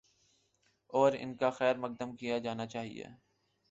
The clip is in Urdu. اور ان کا خیر مقدم کیا جانا چاہیے۔